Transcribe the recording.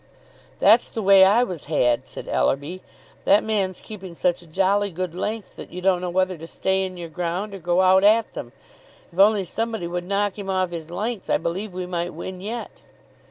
"That's the way I was had," said Ellerby. "That man's keeping such a jolly good length that you don't know whether to stay in your ground or go out at them. If only somebody would knock him off his length, I believe we might win yet."